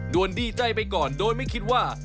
ดีใจไปก่อนโดยไม่คิดว่า